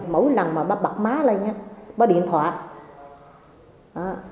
mỗi lần mà bà bật má lên bà điện thoại